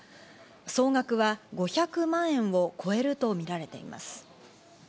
総額は５００万円を超えるとみられています。